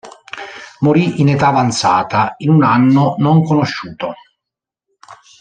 Morì in età avanzata, in un anno non conosciuto.